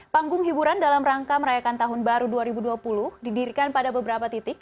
panggung hiburan dalam rangka merayakan tahun baru dua ribu dua puluh didirikan pada beberapa titik